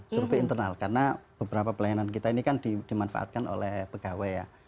survei internal karena beberapa pelayanan kita ini kan dimanfaatkan oleh pegawai ya